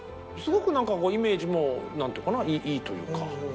すごく何かこうイメージも何ていうかないいというか。